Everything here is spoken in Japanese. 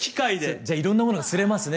じゃあいろんなものがすれますね